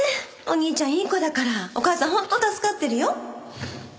お兄ちゃんいい子だからお母さん本当助かってるよ。